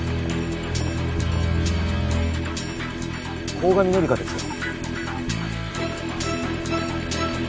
鴻上紀香ですよ。